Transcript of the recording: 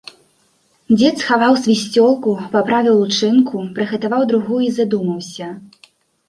Дзед схаваў свісцёлку, паправіў лучынку, прыгатаваў другую і задумаўся.